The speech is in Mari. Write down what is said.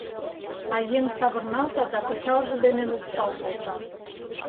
а еҥ савырналта да пычалже дене лупшал колта.